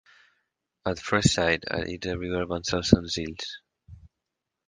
"At First Sight" i "It's Everywhere" van ser els senzills.